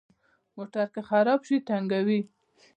موټر که خراب شي، تنګوي.